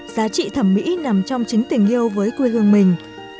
giá trị thẩm mỹ nằm trong chính tình yêu với quê hương mình